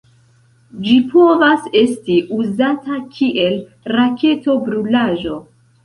Ĝi povas esti uzata kiel raketo-brulaĵo.